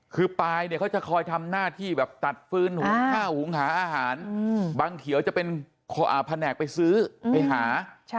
คือปายเนี่ยเขาจะคอยทำหน้าที่แบบตัดฟื้นหุงข้าวหุงหาอาหารบังเขียวจะเป็นแผนกไปซื้อไปหา